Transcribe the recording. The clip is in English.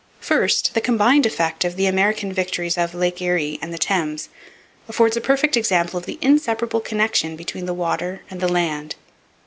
First, the combined effect of the American victories of Lake Erie and the Thames affords a perfect example of the inseparable connection between the water and the land.